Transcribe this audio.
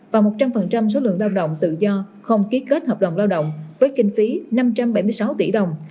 và một trăm linh số lượng lao động tự do không ký kết hợp đồng lao động với kinh phí năm trăm bảy mươi sáu tỷ đồng